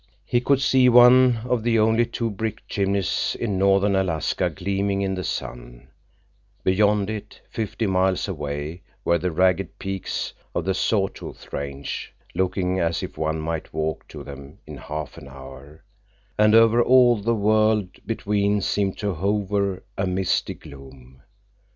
He could see one of the only two brick chimneys in northern Alaska gleaming in the sun; beyond it, fifty miles away, were the ragged peaks of the Saw Tooth Range, looking as if one might walk to them in half an hour, and over all the world between seemed to hover a misty gloom.